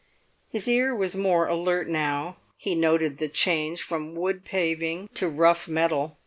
His ear was more alert now. He noted the change from wood paving to rough metal.